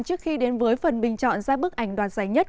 trước khi đến với phần bình chọn ra bức ảnh đoạt giải nhất